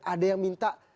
ada yang minta